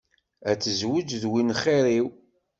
Ad tezweğ d win xiṛ-iw.